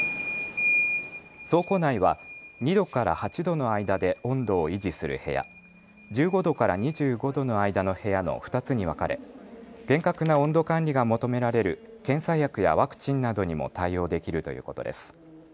倉庫内は２度から８度の間で温度を維持する部屋、１５度から２５度の間の部屋の２つに分かれ厳格な温度管理が求められる検査薬やワクチンなどにも対応できるということです。